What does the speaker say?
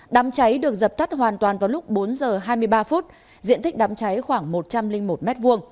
đám cháy được dập tắt hoàn toàn vào lúc bốn h hai mươi ba phút diện tích đám cháy khoảng một trăm linh một m hai